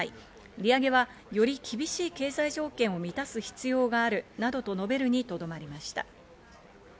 利上げはより厳しい経済条件を満たす必要があるなどと述べるにとどまりました。